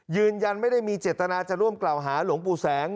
ยืนยันไม่ได้มีเจตนาจะร่วมกล่าวหาหลวงปู่แสง